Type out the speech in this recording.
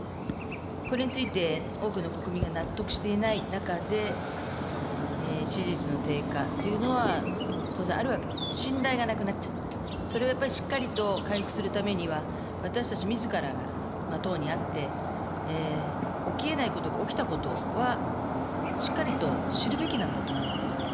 これについて、多くの国民が納得していない中で、支持率の低下というのは、当然あるわけです、信頼がなくなっちゃう、それはやっぱりしっかりと回復するためには、私たちみずからが党にあって、起きえないことが起きたことは、しっかりと知るべきなんだと思います。